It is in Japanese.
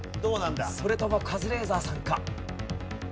それともカズレーザーさんか？